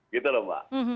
gitu lho mbak